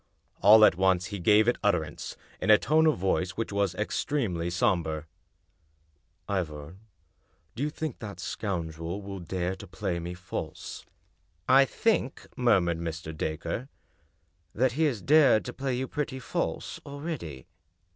All at once he gave it utterance, in a tone of voice which was extremely somber: " Ivor, do you think that scoundrel will dare to play me false?" English Mystery Stories " I think," murmured Mr. Dacre, " that he has dared to play you pretty false already."